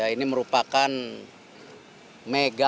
ini merupakan megal